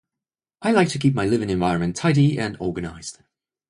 I like to keep my living environment tidy and organized.